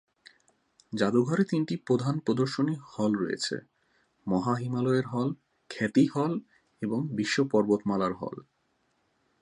জাদুঘরে তিনটি প্রধান প্রদর্শনী হল রয়েছে: মহা হিমালয়ের হল, খ্যাতি হল এবং বিশ্ব পর্বতমালার হল।